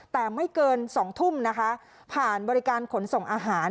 แต่ไม่เกิน๒ทุ่มนะคะผ่านบริการขนส่งอาหาร